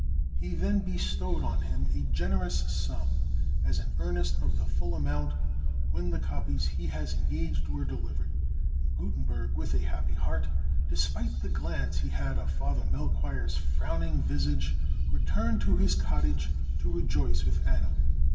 He then bestowed on him a generous sum, as an earnest of the full amount, when the copies he had engaged, were delivered; and Gutenberg, with a happy heart, despite the glance he had of Father Melchoir's frowning visage, returned to his cottage to rejoice with Anna.